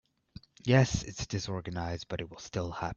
Yes, it’s disorganized but it will still happen.